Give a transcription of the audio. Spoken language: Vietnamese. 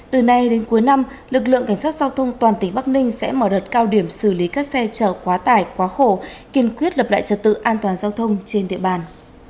từ nay đến cuối năm lực lượng cảnh sát giao thông toàn tỉnh bắc ninh sẽ mở đợt cao điểm xử lý các xe chở quá tải quá khổ kiên quyết lập lại trật tự an toàn giao thông trên địa bàn